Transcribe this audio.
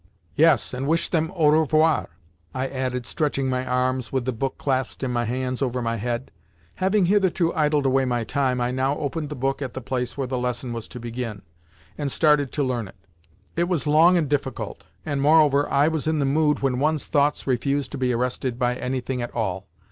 "Yes, and wish them au revoir," I added, stretching my arms, with the book clasped in my hands, over my head. Having hitherto idled away my time, I now opened the book at the place where the lesson was to begin, and started to learn it. It was long and difficult, and, moreover, I was in the mood when one's thoughts refuse to be arrested by anything at all.